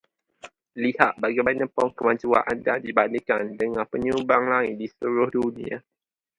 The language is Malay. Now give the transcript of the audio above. Lihat bagaimana kemajuan Anda dibandingkan dengan penyumbang lain di seluruh dunia.